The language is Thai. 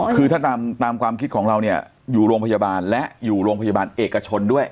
คือถ้าตามความคิดของเราเนี่ยอยู่โรงพยาบาลและอยู่โรงพยาบาลเอกชนด้วย